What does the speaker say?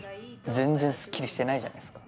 全然すっきりしてないじゃないですか。